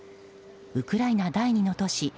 ウクライナ第２の都市